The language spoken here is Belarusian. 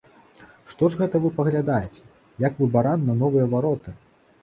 Што ж гэта вы паглядаеце, як бы баран на новыя вароты?